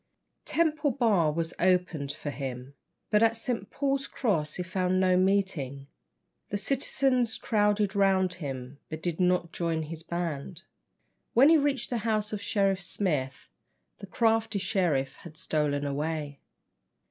Temple Bar was opened for him; but at St. Paul's Cross he found no meeting. The citizens crowded round him, but did not join his band. When he reached the house of Sheriff Smith, the crafty Sheriff had stolen away.